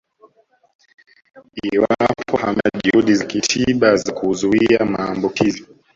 Iwapo hamna juhudi za kitiba za kuzuia maambukizi